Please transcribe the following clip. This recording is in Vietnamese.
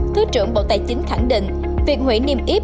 thứ trưởng bộ tài chính khẳng định việc hủy niêm yết